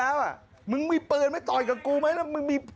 ไอ้๊บมึงจะเอาอะไร